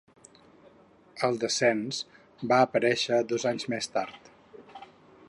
El Descens va aparèixer dos anys més tard.